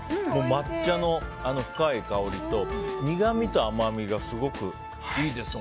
抹茶の深い香りと、苦みと甘みがいいですね。